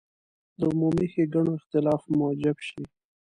د عمومي ښېګڼو اختلاف موجب شي.